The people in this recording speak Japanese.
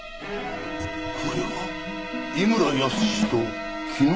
これは井村泰と木下亜矢？